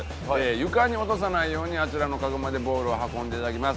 床に落とさないようにあちらのカゴまでボールを運んでいただきます。